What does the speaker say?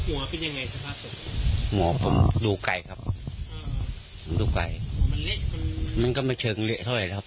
แล้วว่ามันดูไกลครับมันก็มาเชิงเละเท่าไหร่ครับ